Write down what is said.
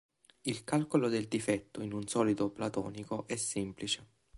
Il calcolo del difetto in un solido platonico è semplice.